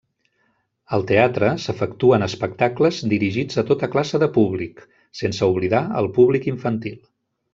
Al teatre s'efectuen espectacles dirigits a tota classe de públic sense oblidar el públic infantil.